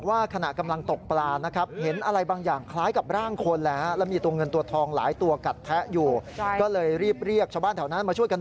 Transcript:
อาทิตย์หนึ่งหรือเดี๋ยวอาทิตย์ละวัน